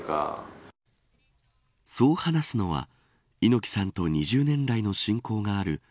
そう話すのは猪木さんと２０年来の親交がある蔦